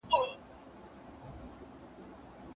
کتاب د انسان ذهن ته رڼا ورکوي او د ژوند لاره اسانه کوي.